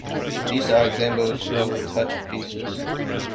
These are examples of 'Touch Pieces'.